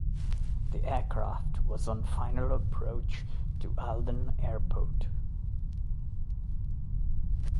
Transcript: The aircraft was on final approach to Aldan Airport.